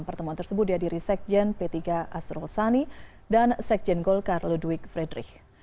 pertemuan tersebut diadiri sekjen p tiga asrol sani dan sekjen golkar ludwig friedrich